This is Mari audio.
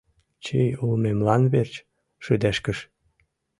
Чий улмемлан верч шыдешкыш.